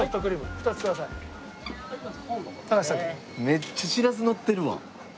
めっちゃしらすのってるわ。